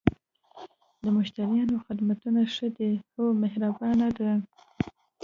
د مشتریانو خدمتونه یی ښه ده؟ هو، مهربانه دي